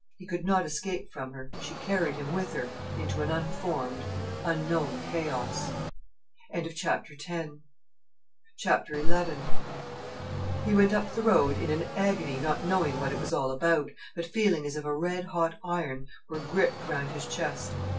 He could not escape from her, she carried him with her into an unformed, unknown chaos. XI He went up the road in an agony, not knowing what it was all about, but feeling as if a red hot iron were gripped round his chest.